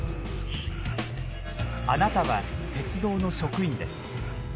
あなたは鉄道の職員です。